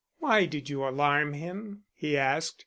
"Why did you alarm him?" he asked.